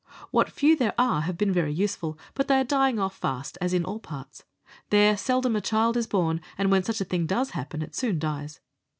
What few there are have been very useful, but they are dying off fast as in all parts ; there seldom is a child born, and when such a thing does happen it soon dies.